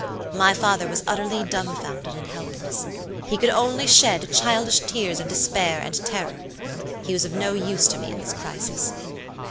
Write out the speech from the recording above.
"My father was utterly dumfounded and helpless. He could only shed childish tears of despair and terror. He was of no use to me in this crisis.